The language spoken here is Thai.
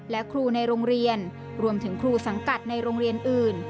และครูในโรงเรียนรวมถึงครูสังกัดในโรงเรียนอื่น